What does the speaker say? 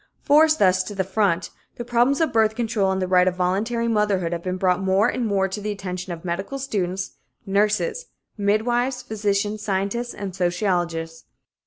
Forced thus to the front, the problems of birth control and the right of voluntary motherhood have been brought more and more to the attention of medical students, nurses, midwives, physicians, scientists and sociologists.